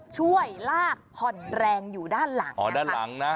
ช่วยลากผ่อนแรงอยู่ด้านหลังนะคะ